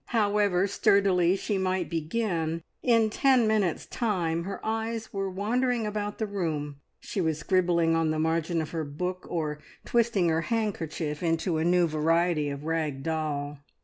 However sturdily she might begin, in ten minutes' time her eyes were wandering about the room, she was scribbling on the margin of her book, or twisting her handkerchief into a new variety of rag doll.